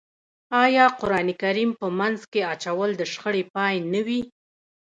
آیا قرآن کریم په منځ کې اچول د شخړې پای نه وي؟